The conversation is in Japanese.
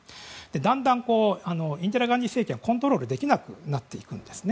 だんだんインディラ・ガンディー政権をコントロールできなくなってくるんですね。